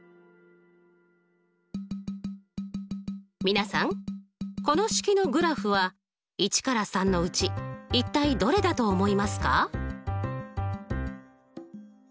皆さんこの式のグラフは１から３のうち一体どれだと思いますか？